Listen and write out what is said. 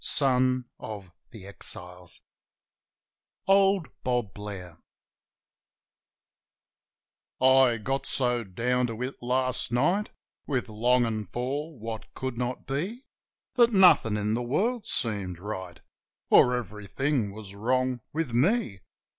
OLD BOB BLAIR Old Bob Blair I GOT so down to it last night, With longin' for what could not be, That nothin' in the world seemed right — Or everything was wrong with me.